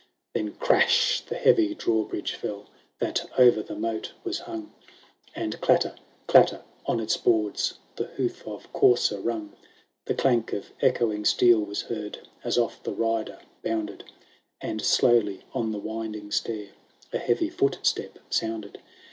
XXIV Then, crash ! the heavy drawbridge fell, That o'er the moat was hung ; And, clatter ! clatter ! on its boards The hoof of courser rung. The clank of echoing steel was heard As off the rider bounded ; And slowly on the winding stair A heavy footstep sounded.